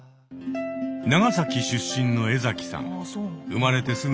長崎出身のエザキさん。